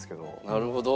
なるほど。